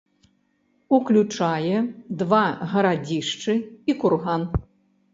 Уключае два гарадзішчы і курган.